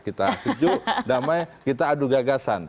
kita sejuk damai kita adu gagasan